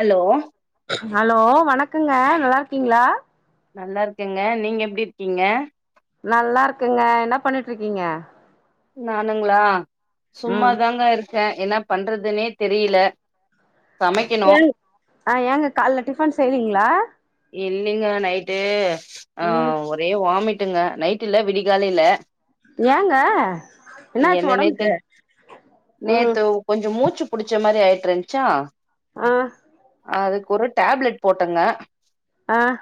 hello hello வணக் க்குங்க நல்லா இருக்கீங்களா நல்லா இருக்கங்க நீங்க எப்டி இருக்கீங்க நல்லா இருக்கங்க என்ன பண்ணிட்டுருக்கீங்க நானுங்களா சும்மாதாங்க இருக் அ என்னா பண்றதுனே தெரியல சமைக்கணு எங் ஆஹ் ஏங்க கால்ல டிஃபன் செய்றீங்களா இன்னிங்க நைட்டு ம் ஆஹ் ஒரே வாமிட் ங்க நைட் இல்ல விடிக்காலல ஏங்க என்னாச்சு என்ன நேத்து ஒடம்புக்கு ம் நேத்து கொஞ்சம் மூச்சு புடிச்ச மாரி ஆயிட்டிருச்சா ஆஹ் அதுக்கு ஒரு டேப்லெட் போட்டங்க ஆஹ்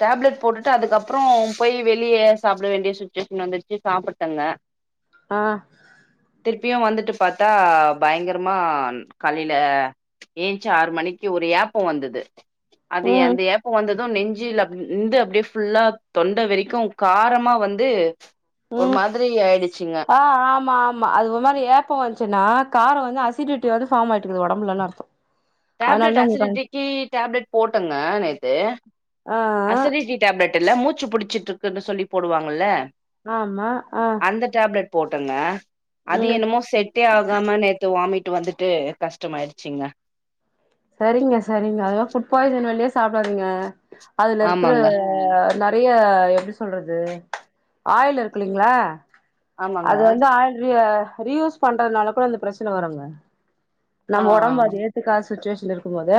டேப்லெட் போட்டுட்டு அதுக்கப்புற போய் வெளியே சாப்பிட வேண்டிய சுச்சுவேஷன் வந்துருச்சு சாப்பட்டேங்க ஆஹ் திருப்பியு வந்துட்டு பாத்தா பயங்கரமா காலையில ஏஞ்ச்சி ஆறு மணிக்கு ஒரு ஏப்ப வந்தது அதே ம் அந்த ஏப்ப வந்த நெஞ்சில் அ நந்து அப்டியே ஃபுல்லா தொண்டை வரைக்கு காரமா வந்து ஒரு மாதிரி ஆயிடுச் ஆஹ் ஆமா ஆமா அது மாரி ஏப்போ வந்துச்சுன்னா கார வந்து அஸ் சி டிட்டு வந்து பார்ம்ஆய்ட்ருக்கு உடம்புலல்லனு அர்த்த டேப்லெட் அசிடிட்டி டேப்லெட் போட்டங்க நேத்து ஆ ஆ அசிரட்டி டேப்லெட் [unintelligible] மூச்சு புடிச்சிட்ருக்குனு சொல்லி போடுவாங்கல்ல ஆமா ஆஹ் அந்த டேப்லெட் போட்டங்க அது என்னமோ செட்டே ஆகாம நேத்து வாமிட் விட்டு வந்துட்டு கஷ்டமாய்டுச்சிங்க சரிங்க சரிங்க அதுல புட் பாய்சன் வெளிய சாப்டாதீங்க அதுல இருக்ற ஆமாங்க நெறைய எப்டி சொல்றது ஆயில் இருக்லீங்ளா ஆமாங்க அது வந்து ஆயில்ரீய ரீயூஸ் பண்றனால கூட அந்த பிரச்சன வருங்க ஆ நம்ம ஒடம்பு அது ஏத்துக்காசு ச்சுவேஷன்ல இருக்கு போது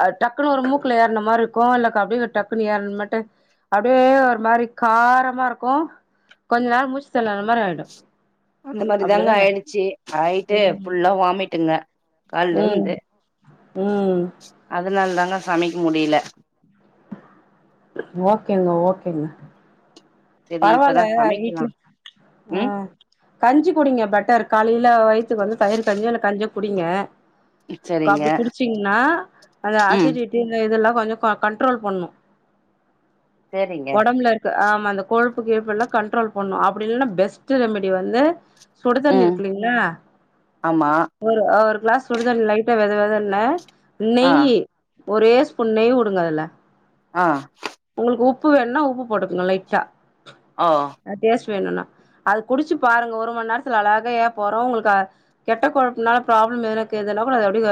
அ டக்குன்னு ஒரு மூக்குல ஏறுன மாரி இருக்கு இல்ல அப்டியே டக்குன்னு ஏறணு மட்டு அப்டியே ஒரு மாரி காரமா இருக்கு கொஞ்சோ நேறோ மூச்சு தெனரல் மாரி ஆய்டு அந்த மாதிரி தாங்க ஆய்டுச்சு ஆயிட்டு ம் ஃபுல்லா வாமிட்டுங்க ம் கால்லருந்து ம் அதுனால்தாங் க சமைக் முடில ஓகேங்க ஓகேங்க சரி இப்பதா பரவால்ல வீட்ல சமைக்கலாம் ஆ ம் கஞ்சி குடிங்க பெட்டர் காலைல வைத்துக்கு வந்து தயிர் கஞ்சியோ இல்ல கஞ்சியோ குடிங்க சரிங்க கப்டி குடிச்சீங்னா அந்த ம் அசிடிடி இந்த இதெல்லா கொஞ்சொ க கண்ட்ரோல் பண்ணு சேரிங்க ஒடம்ல இருக்க ஆம் [unintelligible] கொழுப்பு கிழுப்புல்லா கண்ட்ரோல் பண்ணு அப்படி இல்லனா பெஸ்ட்டு ரெமிடி வந்து சுடு தண்ணி ம் இருக்குல்லீங்களா ஆமா ஒரு அவர் கிளாஸ் சுடு தண்ணி லைட்டா வெது வெதுன்னு ஆ நெய்யீ ஒரே ஸ்பூன் நெய் உடுங்க அதுல அ உப்பு வேண்னா உப்பு போட்டுக்குங்க லைட்டா ஆ டேஸ்ட் வேணுன்னா அது குடிச்சு பாருங்க ஒரு மண் நேரத்துல அழக ஏப்போ வரு உங்களுக்கு அ கெட்ட கொழுப்புனால ப்ராப்ளம் இருக்குதுனா அப்டிக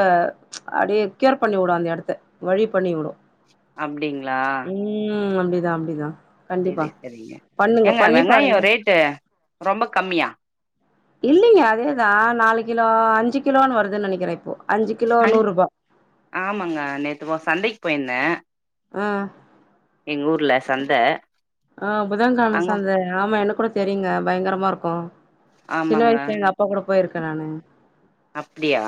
அப்டியே கியூர் பண்ணீயூடு அந்த எடத்த வழி பண்ணியூடு அப்டிங் ளா ம் அப்டிதா அப்டிதா கண்டிப்பா செரி செரிங்க பண்ணுங்க ஏங்க பண்ணி வெங்காயோ பாருங்க ரேட்டு ரொம்ப கம்மியா இல்லிங்க அதேதா நாலு கிலோ அஞ்சு கிலோன்னு வருதுன்னு நெனைக்கிறே இப்போ அஞ்சு கிலோ அஞ் நூறுபா ஆமாங்க நேத்து ஒ சந்தைக்கி போய்ர்ந்த ஆ எங் ஊர்ல சந்த ஆ புதன்கெழம அங்க சந்த ஆமா எனக் கூட தெரியுங்க பயங்கரமா இருக்கு சின்ன ஆமாங்க வயஸ்ல எங்க அப்பா கூட போய்ருக்க நானு அப்டியா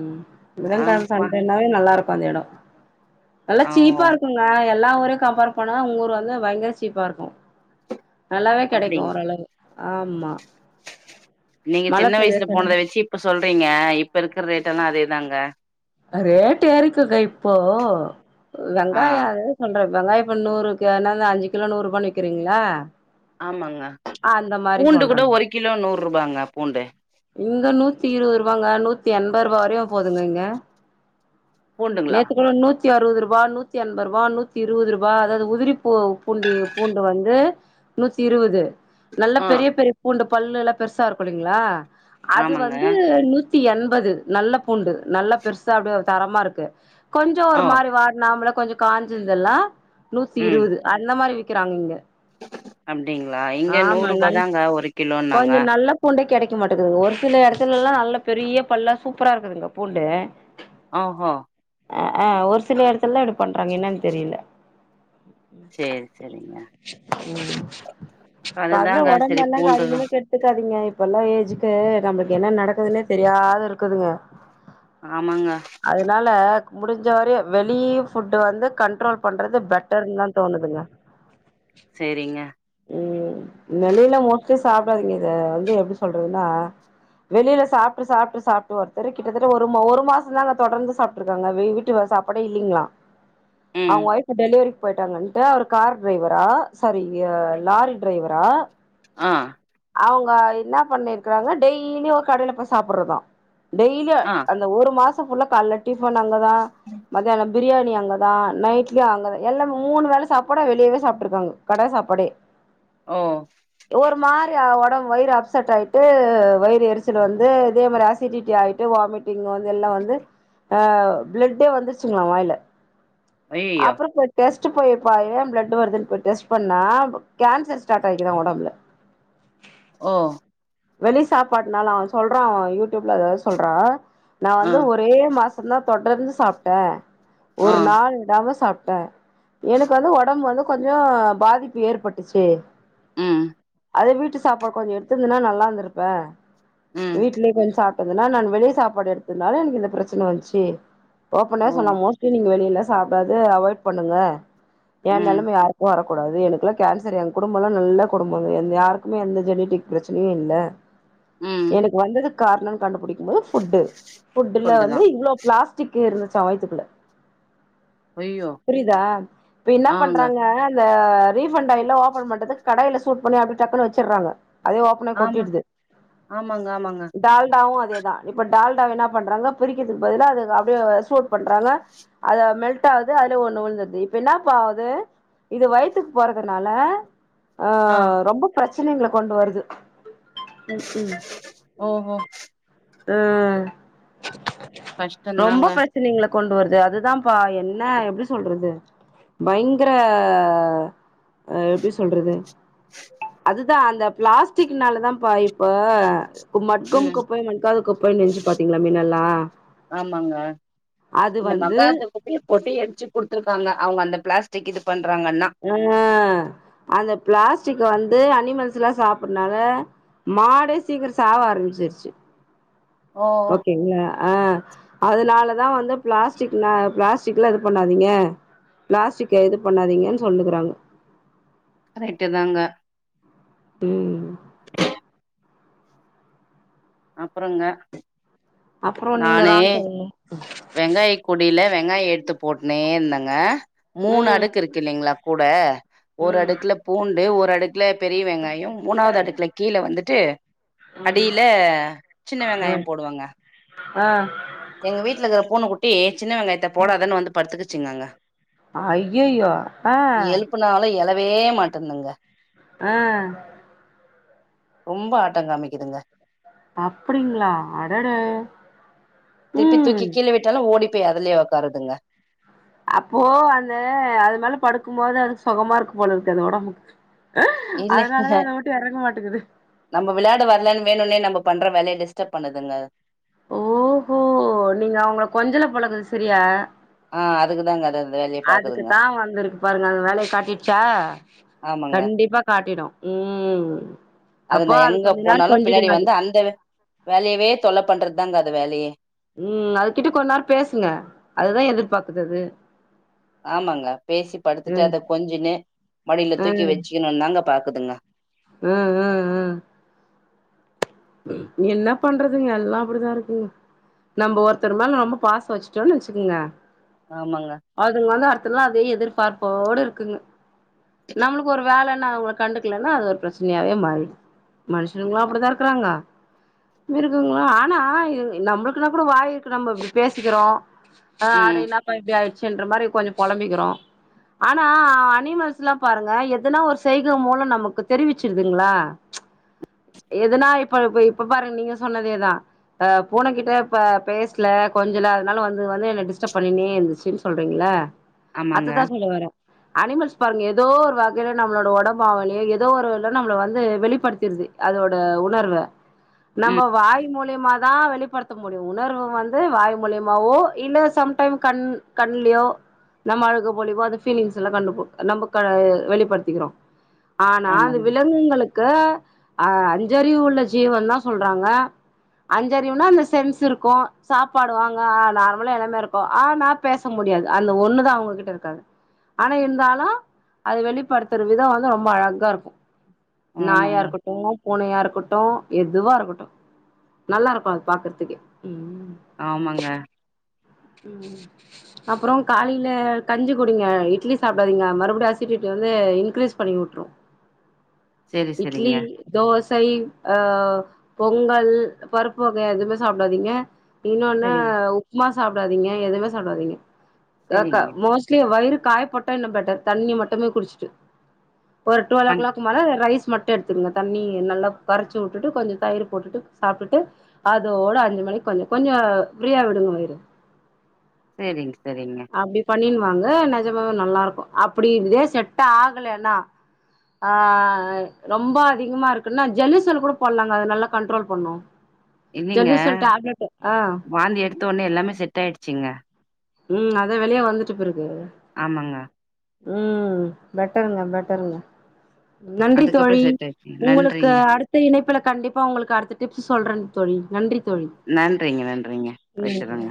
ம் புதன் கெழம ஆமா சந்தனாவே நல்லாருக் கு அந்த எடோ நல்லா ஆ சீப்பா ஓ இருக்குங்க எல் ல்லா ஊரையு கம்பேர் பண்ணாதா உங்கூரு வந்து பயங்கர சீப்பாருக்கு நல்லாவே கெடைக்கு அப்டிங்க ஓரளவு ஆம்மா நீங்க சின்ன வயசுல போனத வெச்சி இப்ப சொல்றீங்க இப்பருக் க்கர் ரேட்டெல்லா அதேதாங்க அ ரேட்டு ஏறிக்குங்க இப்போ ஆ வெங்காயோ அதேத சொல்றே வெங்காய இப்ப நூறுக்கு என்னது அஞ்சு கிலோ நூறுபான் விக்கிறீங்ளா ஆமாங்க பூண்டு கூட சொல்றேங்க ஒரு கிலோ நூ ருபாங்க பூண்டு இங்க நூத்தி இருவது ருவாங்க நூத்தி என்பது ரூபா வரையுமே போதுங்க இங்க பூண்டுங்களா நேத்திக்கெல்லா நூத் த்தி அறுவதுருபா நூத்தி என்பருபா நூத்தி இருவதுருபா அதாவது உதிரி பூ பூண்டி பூண்டு வந்து நூத்தி இருவுது நல்ல ஆ பெரிய பெரிய பூண்ட பல்லு எல்லா பெருசா இருக்குல்லிங்ளா அது ஆமாங்க வந்து நூத் த்தி எண்பது நல்ல பூண்டு நல்ல பெருசா அப்டே தரமா இருக்கு கொஞ்சோ ஒரு ஓ மாரி வாட்னாம்ப்ல கொஞ்சோ காஞ்சிந்தெல்லா நூத்தி இருவுது அந்த மாரி வி கிறாங் இங்க அப்டிங்ளா இங்க ஆமா நூறுபா நல் தாங்க ஒரு கிலோன்னாங்க நிக்க மாட்டேக்குதுங்க ஒரு சில இடத்துயிலல்லா நல்ல பெரிய பல்லா சூப்பரா இருக்குதுங்க பூண்டு அ ஹோ அ ஆ ஒரு சில எடத்துல்தா இப்டி பண்றாங்க என்னான் தெரியில சேரி செரிங்க ம் [unintelligible] சரி ஒடம்பல்ல பூண்டு அதிகமா கெட்த்துக்காதீங்க இப்பல்லா ஏஜ் ல நம்பக்கு என்னா நடக்குதுன்னே தெரியாது இருக்குதுங்க ஆமாங்க அதுனால முடிஞ்ச வர வெளியி ஃபுட்டு் வந்து கண்ட்ரோல் பண்றது பெட்டரு தான் தோணுதுங்க சேரிங்க ம் நெலைல மொத்திஷ் சாப்டாதீங்க இத வந்து எப்படி சொல் [unintelligible] வெளியில சாப்ட்டு சாப்ட்டு சாப்ட்டு ஒருத்தர் கிட்டத்தட்ட ஒர் ஒரு மாசம் தான் தொடர்ந்து சாப்ட்டு இருக்காங்க வீட்டு சாப்பாடே இல்லைங்களா ம் அவங் ஒஃப் டெலிவரி போயிட்டாங்கன்ட்டு அவர் கார் டிரைவரா சாரி லாரி டிரைவரா ஆ அவோங்க என்ன பண்ணிருக்குறாங்க டெய்லி ஒரு கடைல போய் சாப்புர்றதா டெய்லி ஆ அந்த ஒரு மாசம் இப்ப ஃபுல்லா கால்ல டிஃபன் அங்கதான் மத்தியானம் பிரியாணி அங் அங்கதான் நைட்லையு அங்கதான் எல்லா மூணு வேலை சாப்பாடயும் வெளியேவே சாப்ட்டு இருக்காங்க கடை சாப்பாடே ஓ ஒரு மாரி ஆவு ஒடம் வயிறு அப் சட்டாயிட்டு வயிறு எரிச்சல் வந்து இதே மாரி அசிடிட்டிடாயிட்டு வாமிட்டிங் வந்து எல்லாம் வந்து பிளட்டே வந்துச்சுங்கள வாயில அய்யய்யோ அப்புறப்போய் டெஸ்ட் [unintelligible] ஏன் பிளட் வருதுன்னு போய் டெஸ்ட் பண்ணா கேன்ஸர் ஸ்டாட் ஆயிக்குதா ஒடம்ல ஓ வெளி சாப்பாட்னால அவ சொல்றா யூடியூப்ல [unintelligible] சொல்றா நான் ஆ வந்து ஒரே மாசம் ஃபுல்லா தொடர்ந்து சாப்ட்டே ஆ ஒரு நாள் விடாம சாப்ட் ட எனக்கு வந்து ஒடம்பு வந்து கொஞ்சோ பாதிப்பு ஏற்பட்டுச்சு ம் அதே வீட்டு சாப்பாடு கொஞ்ச எடுத் திருந்துனா நல்லா இருந்திருப்பே ம் வீட்லியே கொஞ் சாப் எதுனா நான் வெளிய சாப்பாடு எடுத்துனால எனுக்கு இந்த பிரச்சன வஞ்ச்சி ஓ ஓப்பனாவே சொன்னா மோஸ்ட்லி நீங்க வெளில சாப்டாது அவாய்ட் பண்ணுங்க ஏ ம் நெலம யாருக்கூ வரக் கூடாது எனக்குல்லா கேன்சர் எங் குடும்பல்லா நல்ல குடும்பங்க யாருக்குமே எந்த ஜெனிடிக் பிரச்சினியு இல்ல ம் எனக் வந்ததுக் கார்ணோன் கண்டுபுடி போது ஃபுட்டு ஃபுட்டுல ஃபுட்டுதா வந்து இவ்ளோ பிளாஸ்டிக் கே இருந்துச்சா வய்த்துக்குள்ள ஐயோ புரியுதா இப்ப என்னா ஆங்க பண்றாங்க அ ரீஃபண்டாயில்லா ஓப்பன் பண்டதுக் கடாயில சூட் பண்ணி அப்டி டக்குனு வெச்சர்றாங்க அதே ஓப்பனாய் ஆமா கொட்டிடுது ஆமாங்க ஆமாங்க டால்டாவு அ தேதா இப்ப டால்டாவே என்னா பண்றாங்கோ பிரிக்கிர்துக்கு பதிலா அதது அப்டியோவு சூட் பண்றாங்கே அது மெல்ட்டாவுது அதுலொயூ ஒன்னு உழ்ந்துர்து இப்ப என்னாபா ஆவுது இது வயித்துக் போறதர்னாலே ஆ ரொம்ப ஃப்ரெஷ் சினைங்கள கொண்டு வரு து ம் ம் ஓஹோ ம் ரொம்போ கஷ்டந்தாங்க பிரச்னிங்ளா கொண்டு வர்தே அதுதாபா என்னே எப்டி சொல்றது பயிங்கிரே ஆ எப்டி சொல்றது அதுதா அந்த பிளாஸ்டிக்னாலேதாபா இப்போ கு மட்க்கும் ம் குப்பைங்கள் அதுக் போயி நெஞ்சு பாத்தீங்ளாமே நல்லா ஆமாங்கே இந்த வந்து மக்காதேத் குப்பையே போட்டு எரிச்சு குடுத்திருக்காங்கே அவுங்கே அந்த பிளாஸ் டிக் இது பண் உனொன்னூ அந்த பிளாஸ் சிக்கே வந்து அணிமல்ஸ்லா சாப்புட்னாலே மாடு சீக்கிரோ சாவ ஆரமிச்சிர்ச்சு ஓ ஓகேங்க அ அதனாலதா வந்து பிளாஸ்டிக்னா பிளாஸ் சிக்ளர் பண்ணாதீங்க பிளாஸ்டிக் இது பண்ணாதீங்கன்னு சொல்னுருக்காங்க கரெக்ட்டு தாங்க ம் அப்புறங்க அப்புறோ நீங்க நானு தா சொல்ணு வெங்காயக் கூடைல வெங்காய எடுத்து போட் னே இருந்தங்க மூணு ம் அடுக்கு இருக்கு இல்லைங்களா கூட ஒரு ம் அடுக்குல பூண்டு ஒரு அடுக்குல பெரிய வெங்காயொ மூணாவது அடுக்குல கீழ வந்து ட்டு அடில ஹ சின்ன வெங்காயம் போடுவங்க ஆஹ் எங்க வீட்டுலிருக்கற பூனக் குட்டி சின்ன வெங்காயத்த போடாதேன்னு வந்து படுத்து இந்தாங்க அய்யய்யோ ஆஹ் வே மாட்டேந்துங்க ஆஹ் ரொம்ப ஆட்டங்காமிக்குதுங்க அப்டிங்ளா அடடா திருப்பி தூக்கி கீழ விட்டாலு ஓடி ப்போய் அதுலயே உட்க்காருதுங்க அப்போ அந்த அது மேல படுக்கும் போது அது சொகமா இருக்கும் போல இருக்குது ஒடம்புக்கு இல்ல இல்ல அதனாலதா அத விட்டு எறங்க மாட்டேங்குது நம்ம விளையாட வரலேன்னு வேணும்னே நம்ம பண்ற வேலய டிஸ்டர்ப் பண்ணுதுங்க ஓஹோ நீங்க அவங்கள கொஞ்சல போலத சரியா ஆ அதுக்குதாங்க அது அந்த வேலைய பாக்குதுங்க அதுக்குத்தா வந்திருக்கு பாருங்க அது வேலய காட்டிட்டு சா ஆமாங்க ம் அது அப்போ நா எங்க கொஞ்ச நேரோ போனாலு பின்னாடி கொஞ்சிடுங்க அது வந்து அந்த வேலயவே தொல்ல பண்றதுதாங்க வேலயே உம் அதுகிட்ட கொஞ்ச நேரொ பேசுங்க அதுதா எதிர்பாக்குதது ஆமாங்க பேசி படுத்துட்டு அத கொஞ்சின்னு மடியில தூக்கி வெச்சுக்கணுந்தாங்க பாக்குதுங்க உம் உம் உம் என்ன பண்றதுங்க எல்லா அப்டித்தா இருக்குங்க நம்ப ஒருத்தருமேல ரொம்ப பாசொ வெச்சுட்டோன்னு வெச்சுக்குங்க ஆமாங்க அதுங்க வந்து அத்தல்லா அதையே எதிர் பார்ப்போடு இருக்குங்க நம்ளுக்கு ஒரு வேல நா அவங்கள கண்டுக்கலன்னா அது ஒரு பெரச்சனையாவே மாறி மனுஷனுங்கள அப்டிதா இருக்குங்களா ஆனா நம்மளுக்குனா கூட வாயி இருக்கு நம்மப்ப பேசிக்கிறோ அட ம் என்னாப்ப இப்டி ஆயிடுச்சுன்ற மாதிரி கொஞ்சோ புழம்பிக்கிறோ ஆனா அனிமல்ஸ் எல்லா பாருங்க எதுனா ஒரு செய்க மூலோ நமக்கு தெரிவிச்சிருதுங்களா இதுனா இப்ப இ இப்ப பாருங்க நீங்க சொன்னதே தா பூனகிட்ட பேசல கொஞ்சல அதனால வந்து வந்து என்ன டிஸ்டர்ப் பண்னின்னே இருந்துச்சுன்னு சொல்றீங்களா ஆமாங்க அத தா சொல்லவரே அனிமல்ஸ் பாருங்க ஏதோ ஒரு வகையில நம்மளோட உடம்பாளைய ஏதோ ஒரு நம்மள வந்து வெளிப்படுத்திடுது அதோட உணர்வு நம்ம ம் வாய் மூலியமாதா வெளிப்படுத்த முடியு உணர்வு வந்து வாய் மூலியமாவோ இல்ல சம்டைம்ஸ் கண் கண்லியோ நம்ம அழுகு பொலிவோ அது பீலிங்ஸ் எல்லா நம்ம வெளிப்படுத்திடோ ஆனா அது ஆமாங்க விலங்குகளுக்கு ஆஹ் அஞ்ஜறிவு உள்ள ஜீவன் தா சொல்றாங்க அஞ்சறிவுனா அந்த சென்ஸ் இருக்கு சாப்பாடு வாங்கஹ் நார்மலா எல்லாமே இருக்கு ஆனா பேச முடியாது அந்த ஒண்ணுதா அவங்ககிட்ட இருக்காது ஆனா இருந்தாலு அது வெளிப்படுத்துற விதோ வந்து ரொம்ப அழகா இருக்கு நாய் யா ஆமாங்க இருக்கட்டு பூனையா இருக்கட்டு எதுவா இருக்கட்டு நல்லா இருக்கு அத பாக்கறதுக்கு ஆமாங்க உம் அப்றோ காலையில கஞ்சி குடிங்க இட்லி சாப்டாதீங்க மறுபடி அசடிட்டி வந்து இன்கிரீஸ் பண்ணி விட்டுரு செரி இட்லி செரிங்க தோஸ் சை ஆஹ் பொங்கல் பருப்பு வகை எதுமே சாப்டாதீங்க இன்னொன்னு செரிங்க உப்மா சாப்டாதீங்க எதுமே சாப்டாதீங்க கா க செரிங்க மோஸ்ட்லி வயிறு காய போட்டா இன்னு பெட்டர் தண்ணி மட்டுமே குடிச்சுட்டு ஒரு டுவல் ஓ பண் கிளாக் மேல ரைஸ் மட்டு எடுத்துக்கங்க தண்ணி நல்லா கரைச்சு விட்டுட்டு கொஞ்சோ தயிர் போட்டுட்டு சாப்ட்டுட்டு அதோட அஞ்சு மணிக்கு கொஞ்சோ கொஞ்சோ ப்ரீயா விடுங்க வயிறு செரிங்க செரிங்க நிஜமா நல்லா இருக்கு அப்படி இதே செட்ட ஆகலன்னா ஆஹ் ரொம்ப அதிகமா இருக்குன்னா ஜல்லுசல் கூட போடலாங்க அத நல்லா கண்ட்ரோல் பண்ணோ இல்லைங்க ஜல்லுசல் டாப்லெட் ஆஹ் தோணு எல்லாமே செட் ஆயிடுச்சிங்க உம் அத வெளியே வந்துட்டு போயிரு ஆமாங்க உம் பெட்டருங்க பெட்டருங்க நன்றி அதுக்கப்புறம் தோழி செட் ஆயிடுச்சுங்க உங்களுக்கு நன்றிங்க அடுத்த இணைப்புல கண்டிப்பா உங்களுக்கு அடுத்த டிப்ஸ் சொல்றங் தோழி நன்றி தோழி நன்றிங்க நன்றிங்க நன்றி கரெக்ட்டுதாங்க